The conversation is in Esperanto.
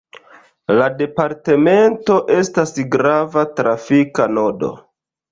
La departamento estas grava trafika nodo.